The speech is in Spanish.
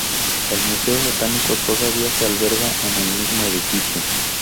El museo botánico todavía se alberga en el mismo edificio.